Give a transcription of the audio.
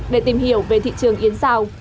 để tìm hiểu về thị trường yến xào